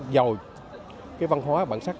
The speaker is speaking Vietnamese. giàu cái văn hóa bản sắc